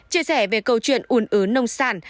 chia sẻ về câu chuyện ủn ứn nông sản